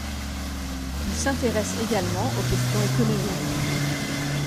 Il s'intéresse également aux questions économiques.